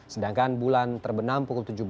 sedangkan bulan terbenam pukul tujuh belas